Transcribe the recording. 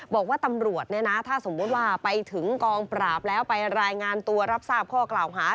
บอกว่าตำรวจเนี่ยนะถ้าสมมุติว่าไปถึงกองปราบแล้วไปรายงานตัวรับทราบข้อกล่าวหา